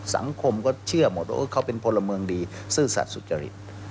สังคมก็เชื่อหมดว่าเขาเป็นพลเมืองดีซื่อสัตว์สุจริต